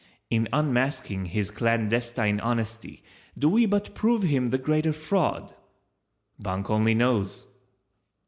In unmasking his clandestine honesty do we but prove him the greater fraud? Bunk only knows!